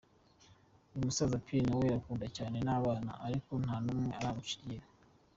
Uyu musaza Père Noel akundwa cyane n’abana, ariko nta n’umwe uramuca iryera.